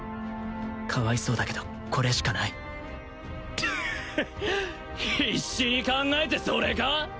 かわいそうだけどこれしかないプッ必死に考えてそれか？